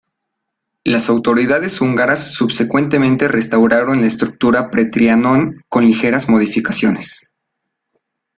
Las autoridades húngaras subsecuentemente restauraron la estructura pre-Trianón con ligeras modificaciones.